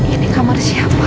ini kamar siapa